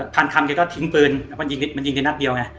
พานคำเขาก็ทิ้งปืนมันยิงได้นักเดียวไง